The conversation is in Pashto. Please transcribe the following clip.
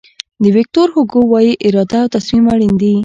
ویکتور هوګو وایي اراده او تصمیم اړین دي.